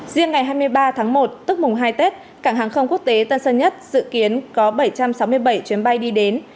riêng ngày hai mươi ba tháng một tức mùng hai tết cảng hàng không quốc tế tân sơn nhất dự kiến có bảy trăm sáu mươi bảy chuyến bay đi đến